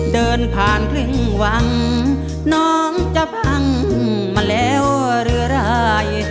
เดินผ่านครึ่งวังน้องจะพังมาแล้วหรือไร